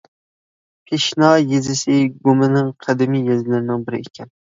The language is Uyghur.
پىشنا يېزىسى گۇمىنىڭ قەدىمىي يېزىلىرىنىڭ بىرى ئىكەن.